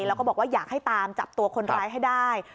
แล้วก็บอกว่าอยากให้ตามจับตัวคนร้ายให้ได้